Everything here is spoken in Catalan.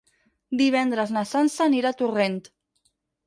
Divendres na Sança anirà a Torrent.